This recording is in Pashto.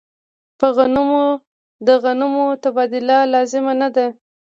په غنمو د غنمو تبادله لازمه نه ده.